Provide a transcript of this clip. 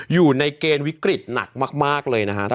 อยู่ในเกณฑ์วิกฤตหนักมากเลยนะฮะ